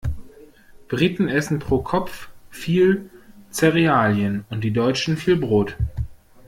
Briten essen pro Kopf viel Zerealien und die Deutschen viel Brot.